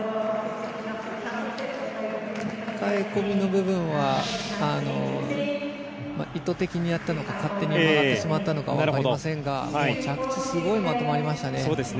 抱え込みの部分は意図的にやったのか勝手に曲がってしまったのかわかりませんが着地すごいまとまりましたね。